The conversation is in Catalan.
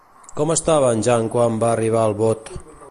Com estava en Jan quan va arribar al bot?